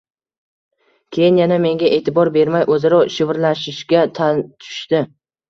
Keyin yana menga e`tibor bermay, o`zaro shivirlashishga tushishdi